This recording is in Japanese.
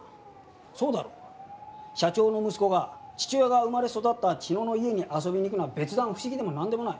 そうだろ？社長の息子が父親が生まれ育った茅野の家に遊びに行くのは別段不思議でもなんでもない。